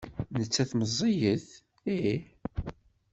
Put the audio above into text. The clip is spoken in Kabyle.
Nettat meẓẓiyet? Ih.